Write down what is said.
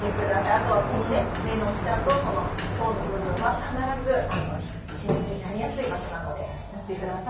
あとは目の下と、この頬の部分は必ずシミになりやすい場所なのでやってください。